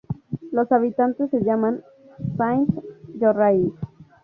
Los habitantes se llaman "Saint-Yorrais".